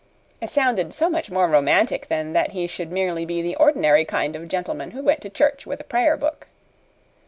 It sounded so much more romantic than that he should merely be the ordinary kind of gentleman who went to church with a prayer book.